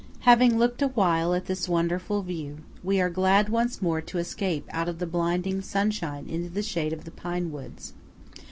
Having looked awhile at this wonderful view, we are glad once more to escape out of the blinding sunshine into the shade of the pine woods.